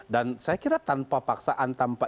dan saya kira tanpa paksaan tanpa